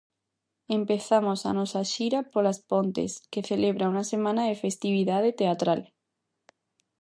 Empezamos a nosa xira polas Pontes, que celebra unha semana de festividade teatral.